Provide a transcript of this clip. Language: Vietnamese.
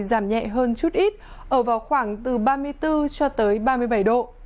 giảm nhẹ hơn chút ít ở vào khoảng từ ba mươi bốn cho tới ba mươi bảy độ